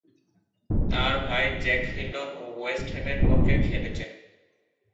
তার ভাই জ্যাক হিলডনও ওয়েস্ট হ্যামের পক্ষে খেলেছেন।